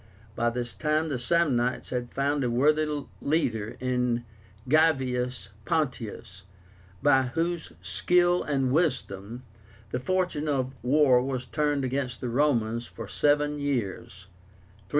By this time the Samnites had found a worthy leader in Gavius Pontius, by whose skill and wisdom the fortune of war was turned against the Romans for seven years (321 315).